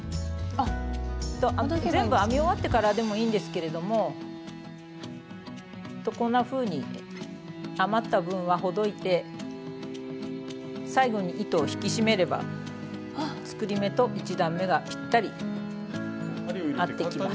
全部編み終わってからでもいいんですけれどもこんなふうに余った分はほどいて最後に糸を引き締めれば作り目と１段めがぴったり合ってきます。